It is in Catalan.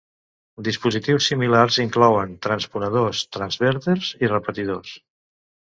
Dispositius similars inclouen transponedors, transverters i repetidors.